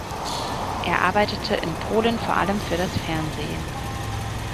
Er arbeitete in Polen vor allem für das Fernsehen.